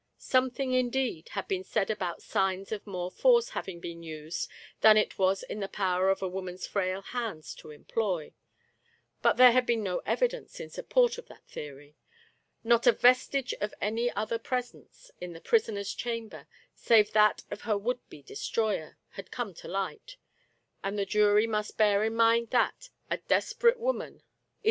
Something, indeed, had been said about signs of more force having been used than it was in the power of a woman's frail hands to employ, but there had been no evidence in support of that theory ; not a vestige of any other presence in the prisoner's chamber, save that of her would be destroyer, had come to light; and the jury must bear in mind that a desperate woman is Digitized by Google MRS, LOVETT CAMERON.